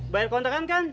bayar kontrakan kan